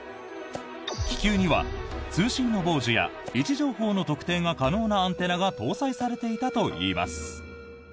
気球には、通信の傍受や位置情報の特定が可能なアンテナが搭載されていたといいます。